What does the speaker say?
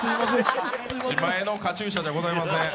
自前のカチューシャではございません。